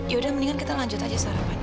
yaudah mendingan kita lanjut aja sarapan